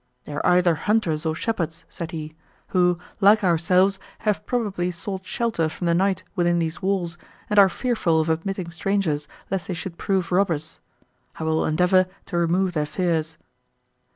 "They are either hunters or shepherds," said he, "who, like ourselves, have probably sought shelter from the night within these walls, and are fearful of admitting strangers, lest they should prove robbers. I will endeavour to remove their fears."